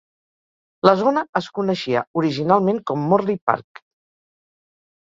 La zona es coneixia originalment com Morley Park.